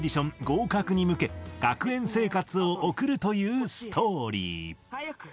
合格に向け学園生活を送るというストーリー。